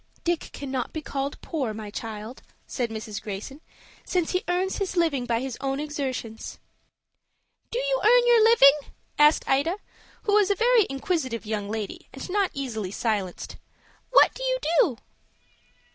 "Dick cannot be called poor, my child," said Mrs. Greyson, "since he earns his living by his own exertions." "Do you earn your living?" asked Ida, who was a very inquisitive young lady, and not easily silenced. "What do you do?"